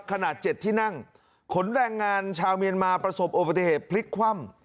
ขนาด๗ที่นั่งขนแรงงานชาวเมียนมาประสบอุบัติเหตุพลิกคว่ำ